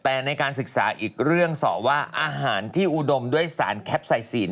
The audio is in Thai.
แต่ในการศึกษาอีกเรื่องสอบว่าอาหารที่อุดมด้วยสารแคปไซซีน